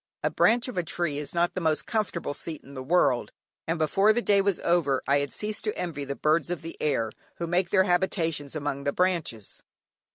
A branch of a tree is not the most comfortable seat in the world, and before the day was over I had ceased to envy "the birds of the air, who make their habitations among the branches."